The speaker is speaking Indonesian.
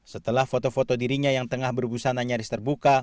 setelah foto foto dirinya yang tengah berbusana nyaris terbuka